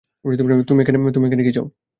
তুমি এখানে কী চাও?